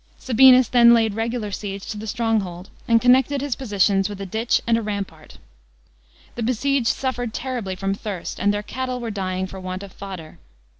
Sabinus then laid regular siege to the stronghold, and connected his positions with a ditch and rampart. The besieged suffered terribly from thirst, and their cattle were dying for want of fodder.